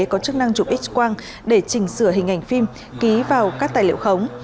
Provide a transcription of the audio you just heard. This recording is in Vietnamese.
có chức năng chụp x quang để chỉnh sửa hình ảnh phim ký vào các tài liệu khống